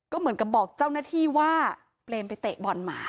ก็เหมือนกับบอกเจ้าหน้าที่ว่าเปรมไปเตะบอลหมา